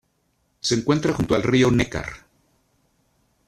Se encuentra junto al río Neckar.